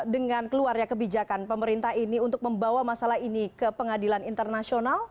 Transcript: dengan keluarnya kebijakan pemerintah ini untuk membawa masalah ini ke pengadilan internasional